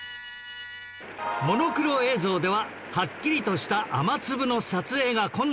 モノクロ映像ではハッキリとした雨粒の撮影が困難